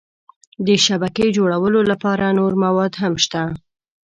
د شبکې جوړولو لپاره نور مواد هم شته.